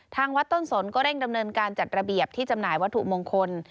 ทางวัดต้นสนก็เร่งดำเนินการจัดระเบียบที่จำหน่ายวัตถุมงคล